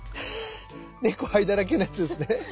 「猫灰だらけ」のやつですね。